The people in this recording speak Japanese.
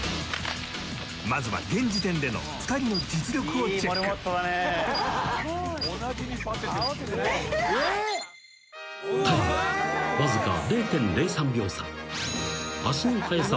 「まずは現時点での２人の実力をチェック」［タイムはわずか０．０３秒差］